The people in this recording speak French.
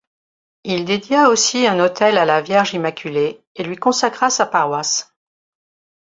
Il dédia aussi un autel à la Vierge Immaculée et lui consacra sa paroisse.